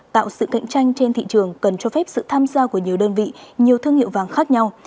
tạo sự cạnh tranh trên thị trường cần cho phép sự tham gia của nhiều đơn vị nhiều thương hiệu vàng khác nhau